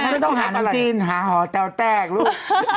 โอ้โฮไม่ต้องหาหนังจีนหาหอแจ้วแตกลูก